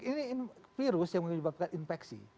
ini virus yang menyebabkan infeksi